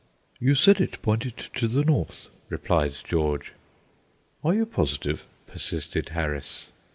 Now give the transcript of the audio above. "You said it pointed to the north," replied George. "Are you positive?" persisted Harris.